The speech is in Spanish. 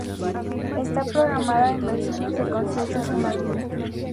Está programada en versión de concierto en Madrid.